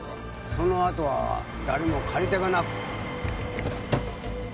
そのあとは誰も借り手がなくて。